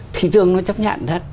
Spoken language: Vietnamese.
thị trường nó chấp nhận